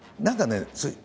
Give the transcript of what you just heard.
何かね